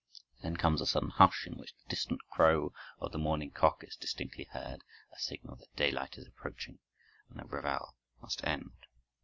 Then comes a sudden hush, in which the distant crow of the morning cock is distinctly heard, a signal that daylight is approaching and the revel must end.